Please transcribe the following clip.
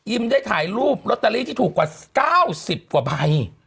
ได้ถ่ายรูปลอตเตอรี่ที่ถูกกว่า๙๐กว่าใบ